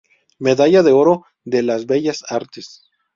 Medalla de Oro de las Bellas Artes.